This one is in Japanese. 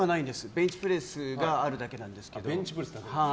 ベンチプレスがあるだけなんですけど。